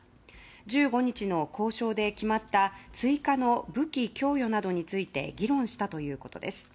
１５日の交渉で決まった追加の武器供与などについて議論したということです。